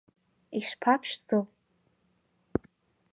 Ишԥаԥшӡоу!